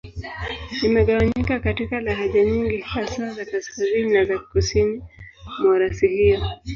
Imegawanyika katika lahaja nyingi, hasa za Kaskazini na za Kusini mwa rasi hiyo.